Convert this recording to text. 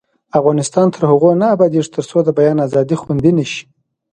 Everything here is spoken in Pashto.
افغانستان تر هغو نه ابادیږي، ترڅو د بیان ازادي خوندي نشي.